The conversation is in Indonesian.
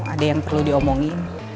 ada yang perlu diomongin